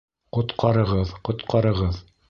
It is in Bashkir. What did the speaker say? Ҡотҡарығыҙ, ҡотҡарығыҙ!